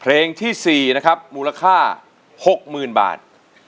เพลงที่สี่นะครับมูลค่าหกหมื่นบาท